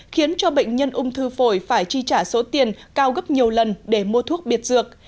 khiến cho bệnh nhân ung thư phổi phải chi trả số tiền cao gấp nhiều lần để mua thuốc biệt dược